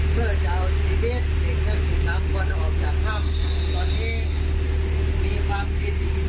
พ่อขอน้องหยิดอาณิการให้เจ้าป่าเจ้าเขาเจ้าแม่นางนอน